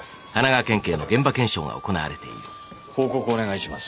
報告お願いします